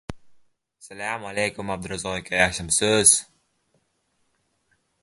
More success followed and he moved to rice trading business.